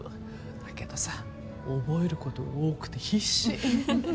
だけどさ覚えることが多くて必死。